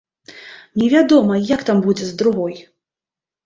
Невядома, як там будзе з другой.